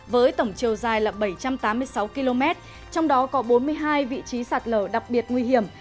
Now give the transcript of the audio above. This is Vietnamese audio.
với tổng chiều dài là bảy trăm tám mươi sáu km trong đó có bốn mươi hai vị trí sạt lở đặc biệt nguy hiểm